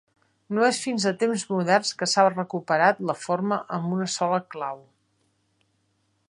No és fins a temps moderns que s'ha recuperat la forma amb una sola clau.